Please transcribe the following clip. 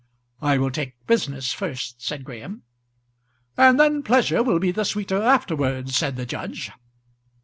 "I will take business first," said Graham. "And then pleasure will be the sweeter afterwards," said the judge.